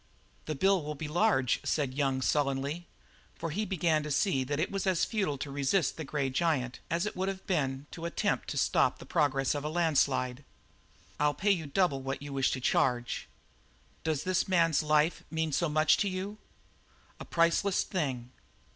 "The bill will be large," said Young sullenly, for he began to see that it was as futile to resist the grey giant as it would have been to attempt to stop the progress of a landslide. "I'll pay you double what you wish to charge." "Does this man's life mean so much to you?" "A priceless thing.